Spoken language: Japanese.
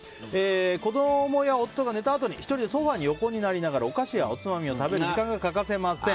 子供や夫が寝たあとに１人でソファに横になりながらお菓子やおつまみを食べる瞬間がたまりません。